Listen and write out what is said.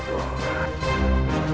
jangan tinggalkan aku putriku